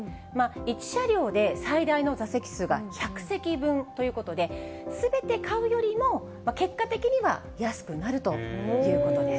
１車両で最大の座席数が１００席分ということで、すべて買うよりも結果的には安くなるということです。